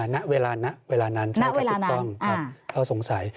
ณเวลานั้นเท่าไหร่ครับน่าเวลานาน